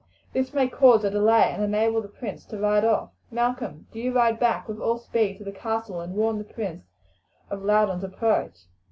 This may cause a delay and enable the prince to ride off. Malcolm, do you ride back with all speed to the castle and warn the prince of Loudon's approach."